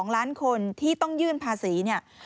๒ล้านคนที่ต้องยื่นภาษี